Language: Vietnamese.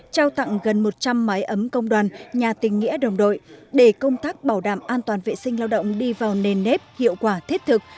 trao tặng gần một trăm linh mái ấm công đoàn nhà tình nghĩa đồng đội để công tác bảo đảm an toàn vệ sinh lao động đi vào nền nếp hiệu quả thiết thực